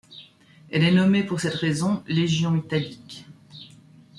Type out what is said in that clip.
Elle est nommée pour cette raison légion italique.